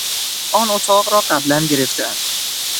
آن اتاق را قبلا گرفتهاند.